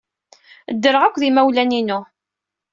Ddreɣ akked yimawlan-inu.